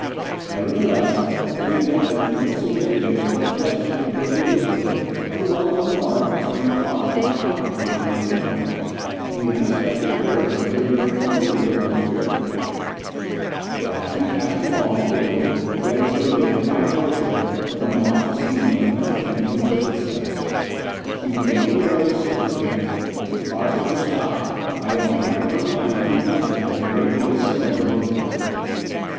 Nevertheless, an event of equal significance was destined to prove the wisdom of the well known remark concerning thoughts which are occupying one's intellect and the unexpected appearance of a very formidable evil spirit; for as she passed along, quickly yet with so dignified a motion that the moss received no impression beneath her footsteps, she became aware of a circumstance which caused her to stop by imparting to her mind two definite and greatly dissimilar emotions.